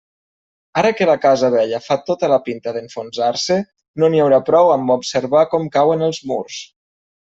Ara que la casa vella fa tota la pinta d'enfonsar-se, no n'hi haurà prou amb observar com cauen els murs.